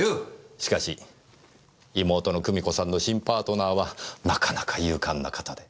しかし妹の久美子さんの新パートナーはなかなか勇敢な方で。